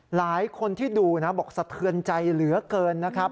หลายคนที่ดูนะบอกสะเทือนใจเหลือเกินนะครับ